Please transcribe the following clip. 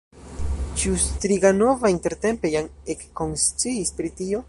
Ĉu Striganova intertempe jam ekkonsciis pri tio?